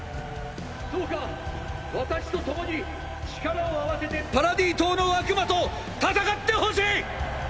どうか私と共に力を合わせてパラディ島の悪魔と戦ってほしい！！